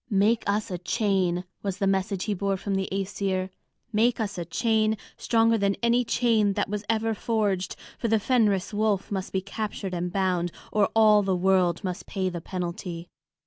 "Make us a chain," was the message he bore from the Æsir, "make us a chain stronger than any chain that was ever forged; for the Fenris wolf must be captured and bound, or all the world must pay the penalty."